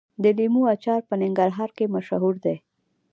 د لیمو اچار په ننګرهار کې مشهور دی.